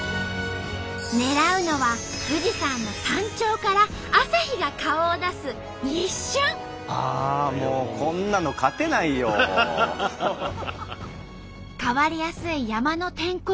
狙うのは富士山の山頂から変わりやすい山の天候。